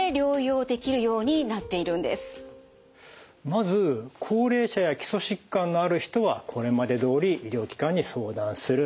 まず高齢者や基礎疾患のある人はこれまでどおり医療機関に相談する。